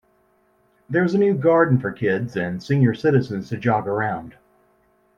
There is a new Garden for kids and senior citizens to jog around.